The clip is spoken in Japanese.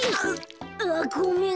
あっごめん。